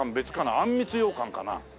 「あんみつ羊かん」かな？